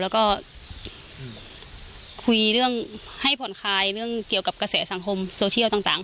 แล้วก็คุยเรื่องให้ผ่อนคลายเรื่องเกี่ยวกับกระแสสังคมโซเชียลต่าง